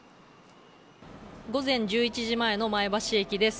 午前１１時前の前橋駅です。